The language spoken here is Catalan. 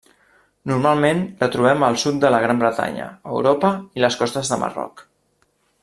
Normalment la trobem al sud de la Gran Bretanya, Europa i les costes de Marroc.